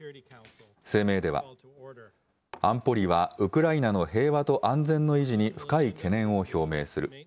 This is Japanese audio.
声明では安保理はウクライナの平和と安全の維持に深い懸念を表明する。